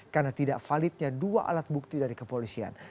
karena tidak validnya dua alat bukti dari kepolisian